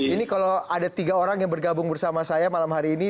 ini kalau ada tiga orang yang bergabung bersama saya malam hari ini